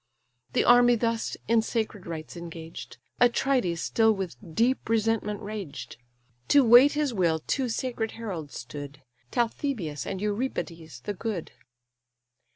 The army thus in sacred rites engaged, Atrides still with deep resentment raged. To wait his will two sacred heralds stood, Talthybius and Eurybates the good.